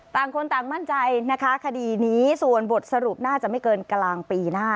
ต่างคนต่างมั่นใจนะคะคดีนี้ส่วนบทสรุปน่าจะไม่เกินกลางปีหน้า